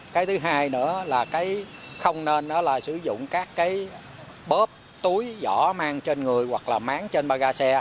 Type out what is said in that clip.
cái thứ hai nữa là không nên sử dụng các bóp túi vỏ mang trên người hoặc là máng trên ba ga xe